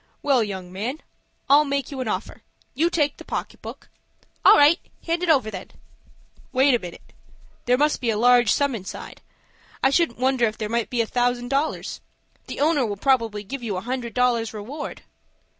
"Well, young man, I'll make you an offer. You take the pocket book—" "All right. Hand it over, then." "Wait a minute. There must be a large sum inside. I shouldn't wonder if there might be a thousand dollars. The owner will probably give you a hundred dollars reward."